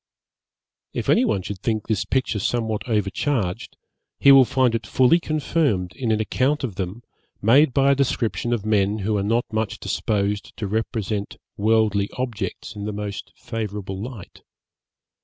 If any one should think this picture somewhat overcharged, he will find it fully confirmed in an account of them made by a description of men who are not much disposed to represent worldly objects in the most favourable light.